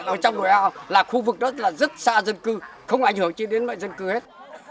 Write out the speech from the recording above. cái bãi rác thải ở trong đồi ao là khu vực đó rất xa dân cư không ảnh hưởng đến dân cư hết